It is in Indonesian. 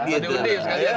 diundi sekali ya